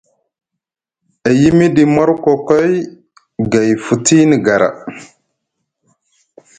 E yimiɗi morkokoy gay futini gara.